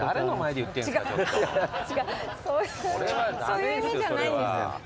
そういう意味じゃないんです。